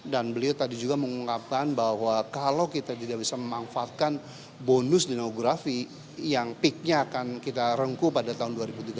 dan beliau tadi juga mengungkapkan bahwa kalau kita tidak bisa memanfaatkan bonus demografi yang peaknya akan kita rengkuh pada tahun dua ribu tiga puluh